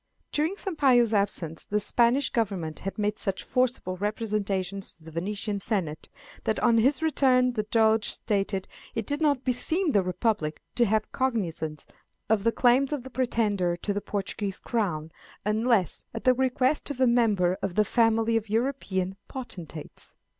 During Sampayo's absence the Spanish Government had made such forcible representations to the Venetian Senate, that on his return the Doge stated "it did not beseem the Republic to take cognizance of the claims of the pretender to the Portuguese Crown, unless at the request of a member of the family of European potentates."